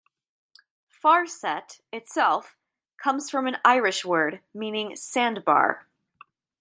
"Farset" itself comes from an Irish word meaning "sandbar".